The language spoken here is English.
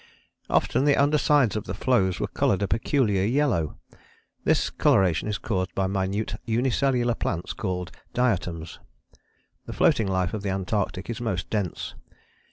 Often the under sides of the floes were coloured a peculiar yellow. This coloration is caused by minute unicellular plants called diatoms. The floating life of the Antarctic is most dense.